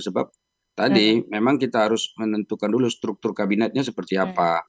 sebab tadi memang kita harus menentukan dulu struktur kabinetnya seperti apa